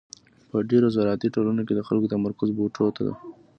په ډېرو زراعتي ټولنو کې د خلکو تمرکز بوټو ته و.